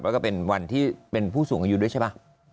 แล้วก็เป็นวันที่เป็นผู้สูงอายุด้วยใช่ป่ะ